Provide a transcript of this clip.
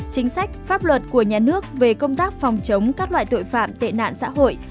chính sách pháp luật của nhà nước về công tác phòng chống các loại tội phạm tệ nạn xã hội